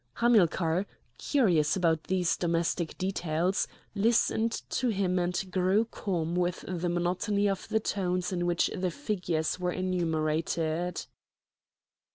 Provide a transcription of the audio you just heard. Hamilcar, curious about these domestic details, listened to him and grew calm with the monotony of the tones in which the figures were enumerated.